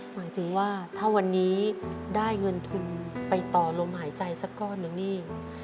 หมายถึงว่าถ้าวันนี้ได้เงินทุนไปต่อลมหายใจสักก้อนหนึ่งนี่